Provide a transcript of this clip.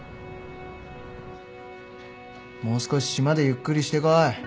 もう少し島でゆっくりしてこい。